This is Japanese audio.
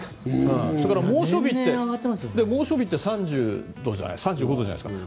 それから、猛暑日って３５度じゃないですか。